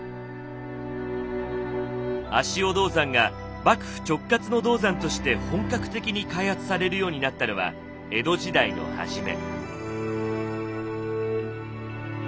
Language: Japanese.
足尾銅山が幕府直轄の銅山として本格的に開発されるようになったのは江戸時代の初め。